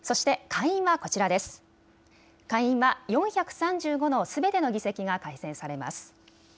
下院は４３５のすべての議席が改選されます。